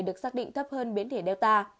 được xác định thấp hơn biến thể delta